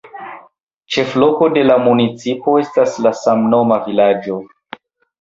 Ĉefloko de la municipo estas la samnoma vilaĝo.